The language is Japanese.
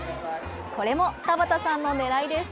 これも、田畑さんの狙いです。